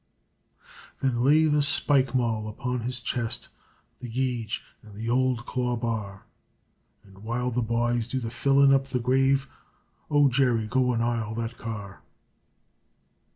Then lay the spike maul upon his chist, the gauge, and the ould claw bar r r, And while the byes do be fillin' up his grave, "Oh, Jerry, go an' ile that car r r!"